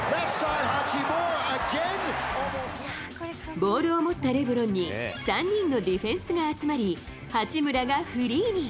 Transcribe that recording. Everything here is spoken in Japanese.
ボールを持ったレブロンに、３人のディフェンスが集まり、八村がフリーに。